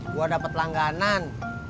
gue dapet langganan